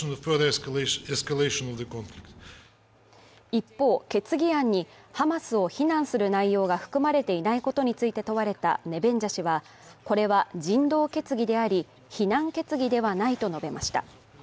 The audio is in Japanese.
一方、決議案にハマスを非難する内容が含まれていないことについて問われたネベンジャ氏は、これは人道決議であり非難決議ではないと述べました。